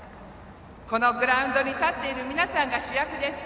このグラウンドに立っている皆さんが主役です。